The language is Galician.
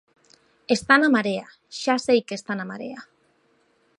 Está na Marea, xa sei que está na Marea.